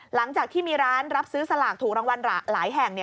หลังจากที่มีร้านรับซื้อสลากถูกรางวัลหลายแห่ง